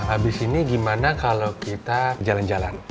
abis ini gimana kalau kita jalan jalan